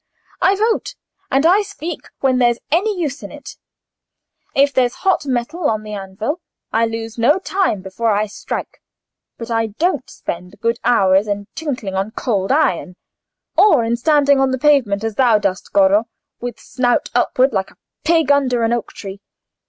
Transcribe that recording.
I vote and I speak when there's any use in it: if there's hot metal on the anvil, I lose no time before I strike; but I don't spend good hours in tinkling on cold iron, or in standing on the pavement as thou dost, Goro, with snout upward, like a pig under an oak tree.